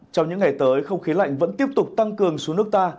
trong những ngày tới không khí lạnh vẫn tiếp tục tăng cường xuống nước ta